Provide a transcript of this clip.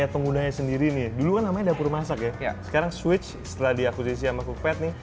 penggunanya sendiri nih dulu kan namanya dapur masak ya sekarang switch setelah diakuisisi sama cooped nih